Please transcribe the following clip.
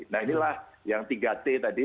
nah inilah yang tiga t tadi